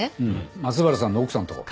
松原さんの奥さんのとこ。